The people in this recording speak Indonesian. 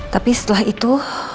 tapi setelah itu